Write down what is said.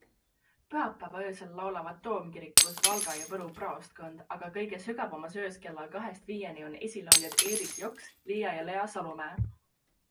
Pühapäeva öösel laulavad toomkirikus Valga ja Võru praostkond, aga kõige sügavamas öös kella kahest viieni on eeslauljad Eerik Jõks, Lia ja Lea Salumäe.